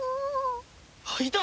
あっいた！